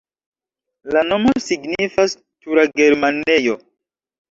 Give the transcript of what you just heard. La nomo signifas: tura-germanejo.